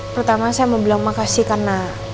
pertama saya mau bilang makasih karena